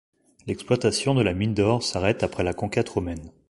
L’exploitation de la mine d'or s’arrête après la conquête romaine.